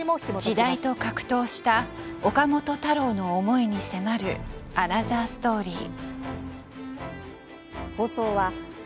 時代と格闘した岡本太郎の思いに迫るアナザーストーリー。